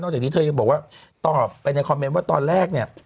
จากนี้เธอยังบอกว่าตอบไปในคอมเมนต์ว่าตอนแรกเนี่ย